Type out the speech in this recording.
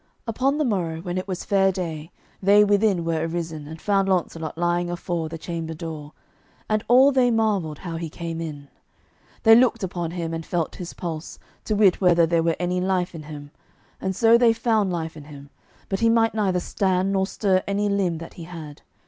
Upon the morrow, when it was fair day, they within were arisen, and found Launcelot lying afore the chamber door, and all they marvelled how he came in. They looked upon him, and felt his pulse, to wit whether there were any life in him. And so they found life in him, but he might neither stand nor stir any limb that he had.